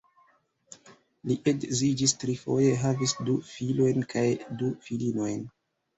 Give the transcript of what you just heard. Li edziĝis trifoje, havis du filojn kaj du filinojn.